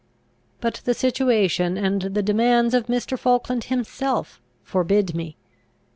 But the situation, and the demands of Mr. Falkland himself, forbid me.